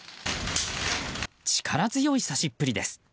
力強い、指しっぷりです。